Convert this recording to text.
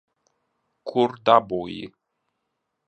Kur dabūji?